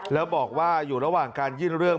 แล้วบอกว่าอยู่ระหว่างการยื่นเรื่อง